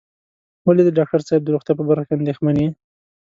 ولې د ډاکټر صاحب د روغتيا په برخه کې اندېښمن یې.